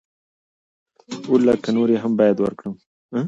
اووه لکه نورې هم بايد ورکړم.